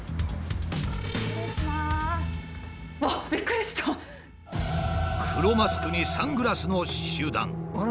黒マスクにサングラスの集団。